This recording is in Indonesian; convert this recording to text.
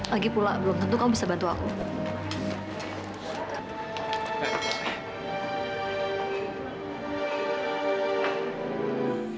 lagi pula belum tentu kamu bisa bantu aku